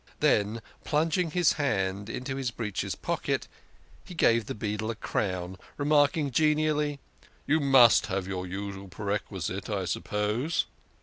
Then, plunging his hand into his breeches pocket, he gave the beadle a crown, remarking genially, "You must have your usual perquisite, I suppose."